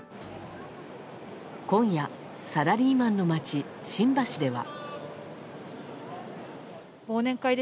今夜、サラリーマンの街新橋では。